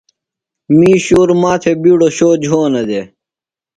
می شُور ما تھےۡ بِیڈوۡ شو جھونہ دےۡ